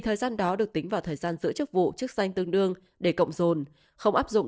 thời gian đó được tính vào thời gian giữ chức vụ chức danh tương đương để cộng dồn không áp dụng